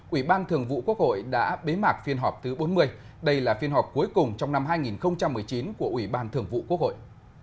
ủy ban thường vụ quốc hội đã bế mạc phiên họp thứ bốn mươi đây là phiên họp cuối cùng trong năm hai nghìn một mươi chín của ủy ban thường vụ quốc hội